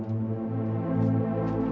kamu keluar kamu keluar